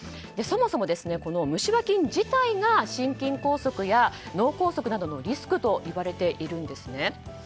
そもそもこの虫歯菌自体が心筋梗塞や脳こうそくなどのリスクと呼ばれているんです。